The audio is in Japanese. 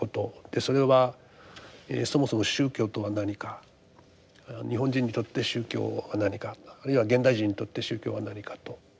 でそれはそもそも宗教とは何か日本人にとって宗教は何かあるいは現代人にとって宗教は何かと。